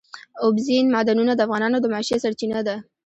اوبزین معدنونه د افغانانو د معیشت سرچینه ده.